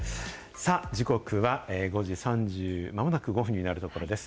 さあ、時刻は５時、まもなく３５分になるところです。